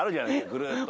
ぐるっと。